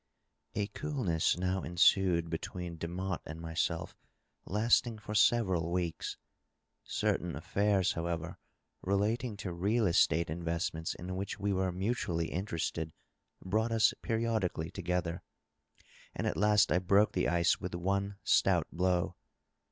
A coolness now ensued between Demotte and myself, lasting for several weeks. Certain afiairs, however, relating to real estate invest ments in which we were mutually interested brought us periodically together, and at last I broke the ice with one stout blow.